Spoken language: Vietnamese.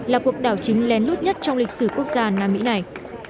là cuộc đảo chính len lút nhất trong lịch sử quốc gia nam mỹ này